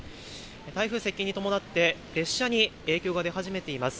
台風接近に伴って列車に影響が出始めています。